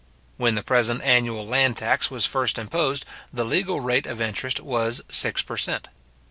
When the present annual land tax was first imposed, the legal rate of interest was six per cent.